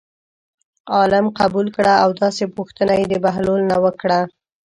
عالم قبول کړه او داسې پوښتنه یې د بهلول نه وکړه.